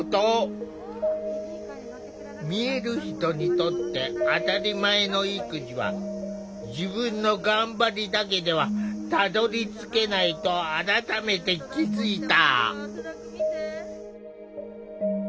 見える人にとって当たり前の育児は自分の頑張りだけではたどりつけないと改めて気付いた。